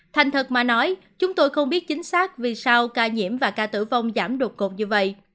thành thật mà nói chúng tôi không biết chính xác vì sao ca nhiễm và ca tử vong giảm đột ngột như vậy